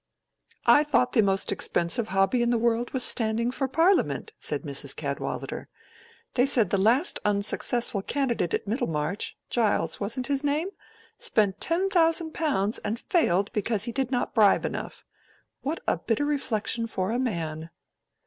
"I thought the most expensive hobby in the world was standing for Parliament," said Mrs. Cadwallader. "They said the last unsuccessful candidate at Middlemarch—Giles, wasn't his name?—spent ten thousand pounds and failed because he did not bribe enough. What a bitter reflection for a man!"